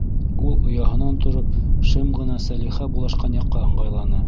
Ул ояһынан тороп шым ғына Сәлихә булашҡан яҡҡа ыңғайланы.